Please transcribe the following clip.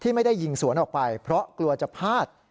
ไม่ได้ยิงสวนออกไปเพราะกลัวจะพลาด